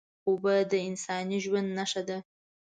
اوبه د انساني ژوند نښه ده